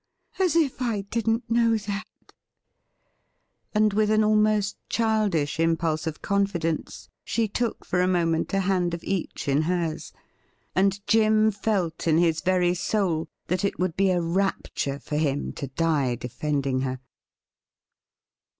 ' As if I did not know that !' and with an almost childish impulse of confidence she took for a moment a hand of each in hers, and Jim felt in his very soul that it would be a rapture for him to die defending her.